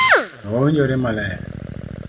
to mawinjore maler.